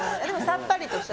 さっぱりとした。